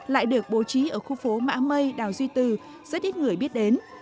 lại được bố trí ở khu phố mã mây đào duy từ rất ít người biết đến